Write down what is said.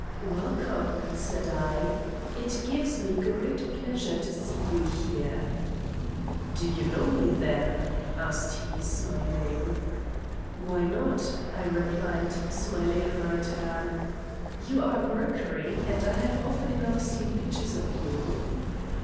"Welcome," said I, "it gives me great pleasure to see you here." "Do you know me then?" asked he, smiling. "Why not?" I replied, smiling in my turn. "You are Mercury, and I have often enough seen pictures of you."